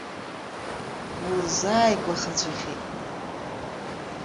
Улзааигәахацәахьеит.